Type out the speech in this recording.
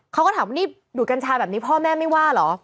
เขาก็ถามว่านี่ดูดกัญชาแบบนี้พ่อแม่ไม่ว่าเหรอ